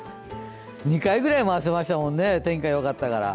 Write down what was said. ２回くらい回せましたもんね、天気がよかったから。